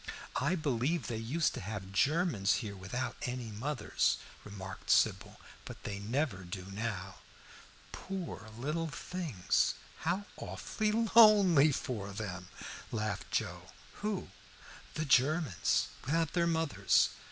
"I believe they used to have Germans here without any mothers," remarked Sybil, "but they never do now." "Poor little things, how awfully lonely for them!" laughed Joe. "Who?" "The Germans without their mothers.